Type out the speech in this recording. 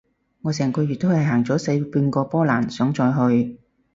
我成個月都係行咗細半個波蘭，想再去